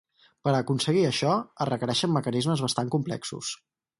Per a aconseguir això es requereixen mecanismes bastant complexos.